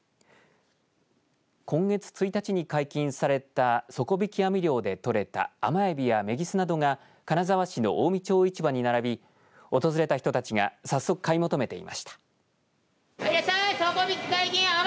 今月１日に解禁された底引き網漁で取れた甘エビやメギスなどが金沢市の近江町市場に並び訪れた人たちが早速買い求めていました。